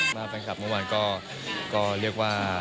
มาแฟนครับก่อนก่อนก็เรียกว่า